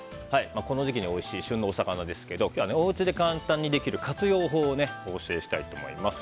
この時期においしい旬なお魚ですが今日はおうちで簡単にできる活用法をお教えしたいと思います。